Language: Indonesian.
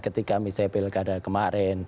ketika misalnya pilkada kemarin